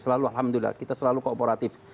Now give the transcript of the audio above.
selalu alhamdulillah kita selalu kooperatif